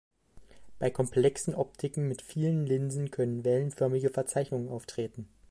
Bei komplexen Optiken mit vielen Linsen können wellenförmige Verzeichnungen auftreten.